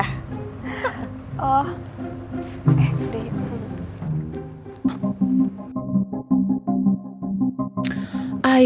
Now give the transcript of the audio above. oh eh udah yuk